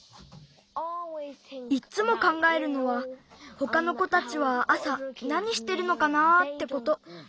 いっつもかんがえるのはほかの子たちはあさなにしてるのかなあってこと。